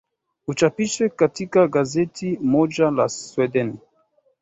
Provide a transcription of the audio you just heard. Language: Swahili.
uchapishwe katika gazeti moja la sweden